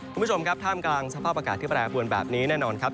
คุณผู้ชมครับท่ามกลางสภาพอากาศที่แปรปวนแบบนี้แน่นอนครับ